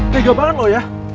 tega banget lo ya